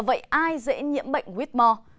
vậy ai dễ nhiễm bệnh whitmore